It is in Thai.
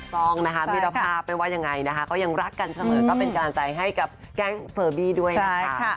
ต้องนะคะมิตรภาพไม่ว่ายังไงนะคะก็ยังรักกันเสมอก็เป็นกำลังใจให้กับแกล้งเฟอร์บี้ด้วยนะคะ